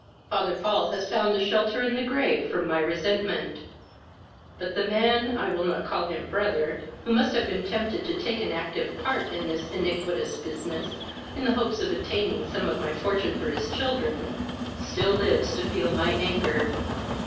"Father Paul has found a shelter in the grave from my resentment; but the man, I will not call him brother, who must have been tempted to take an active part in this iniquitous business, in the hopes of obtaining some of my fortune for his children, still lives to feel my anger.